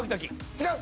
違う。